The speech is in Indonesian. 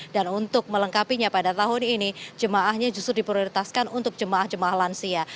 dan untuk melengkapinya pada tahun ini jemaahnya justru diprioritaskan untuk jemaah jemaah lansia